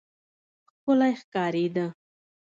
ښکلی ښکارېده.